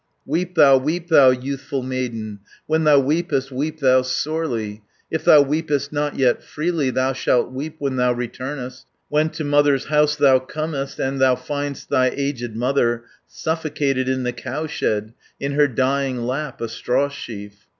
"Weep thou, weep thou, youthful maiden, When thou weepest, weep thou sorely; 360 If thou weepest not yet freely, Thou shalt weep when thou returnest, When to mother's house thou comest, And thou find'st thy aged mother Suffocated in the cowshed, In her dying lap a straw sheaf.